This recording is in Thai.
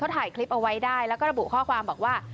ถ่ายคลิปเอาไว้ได้แล้วก็ระบุข้อความบอกว่า